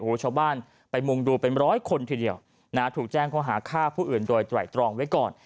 โอ้โหชาวบ้านไปมุงดูเป็นร้อยคนทีเดียวนะฮะถูกแจ้งข้อหาฆ่าผู้อื่นโดยไตรตรองไว้ก่อน